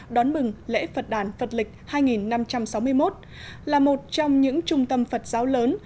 đón mừng lễ phật đàn phật lịch hai năm trăm sáu mươi một là một trong những trung tâm phật giáo lớn